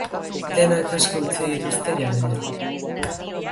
Denak aske utzi dituzte jada.